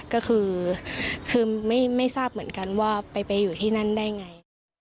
ก็คือไม่ทราบเหมือนกันว่าไปอยู่ที่นั่นได้ไง